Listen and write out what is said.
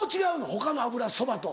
他の油そばと。